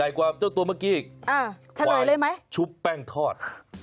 ใหญ่กว่าเจ้าตัวเมื่อกี้อีกควายชุบแป้งทอด